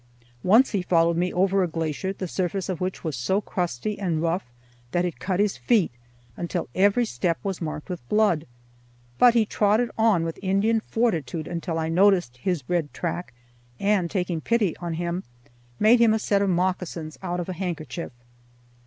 Once he followed me over a glacier the surface of which was so crusty and rough that it cut his feet until every step was marked with blood; but he trotted on with Indian fortitude until I noticed his red track, and, taking pity on him, made him a set of moccasins out of a handkerchief.